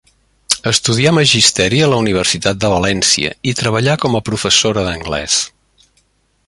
Estudià Magisteri a la Universitat de València, i treballà com a professora d'anglès.